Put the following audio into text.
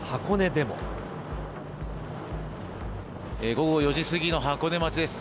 午後４時過ぎの箱根町です。